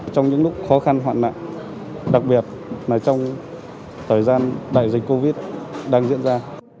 trong những lúc khó khăn hoạn nạn đặc biệt là trong thời gian đại dịch covid đang diễn ra